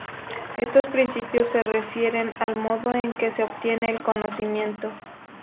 Estos principios se refieren al modo en que se obtiene el conocimiento.